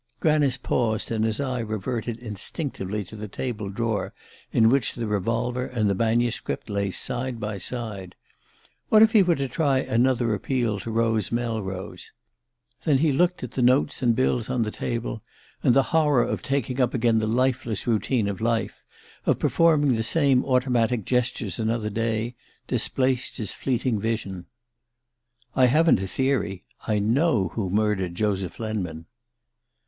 Granice paused and his eye reverted instinctively to the table drawer in which the revolver and the manuscript lay side by side. What if he were to try another appeal to Rose Melrose? Then he looked at the notes and bills on the table, and the horror of taking up again the lifeless routine of life of performing the same automatic gestures another day displaced his fleeting vision. "I haven't a theory. I know who murdered Joseph Lenman."